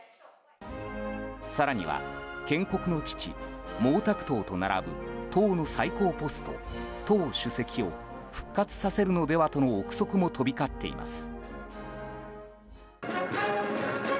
更には建国の父・毛沢東と並ぶ党の最高ポスト、党主席を復活させるのではとの憶測も飛び交っています。